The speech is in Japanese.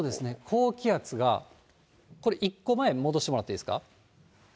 高気圧がこれ、１個前に戻してもらっていいですか。